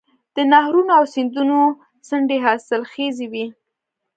د نهرونو او سیندونو څنډې حاصلخیزې وي.